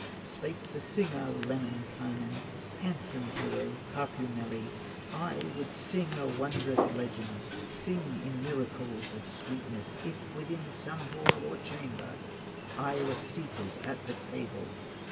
Spake the singer, Lemminkainen, Handsome hero, Kaukomieli: "I would sing a wondrous legend, Sing in miracles of sweetness, If within some hall or chamber, I were seated at the table.